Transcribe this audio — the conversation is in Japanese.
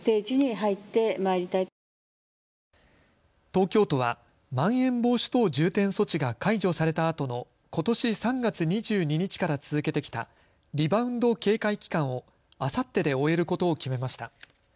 東京都は、まん延防止等重点措置が解除されたあとのことし３月２２日から続けてきたリバウンド警戒期間をあさってで終えることを決めました。